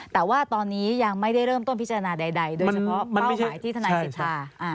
แต่ว่าตอนนี้ยังไม่ได้เริ่มต้นพิจารณาใดโดยเฉพาะเป้าหมายที่ทนายสิทธา